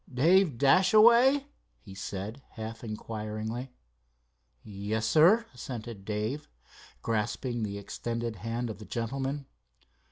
"Dave Dashaway?" he said, half inquiringly. "Yes, sir," assented Dave, grasping the extended hand of the gentleman.